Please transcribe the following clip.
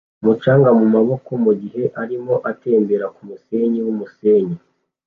umucanga mumaboko mugihe arimo atembera kumusenyi wumusenyi